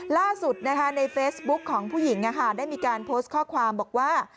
ล่าสุดในเฟซบุ๊คของผู้หญิงได้มีการโพสต์ข้อความบอกว่า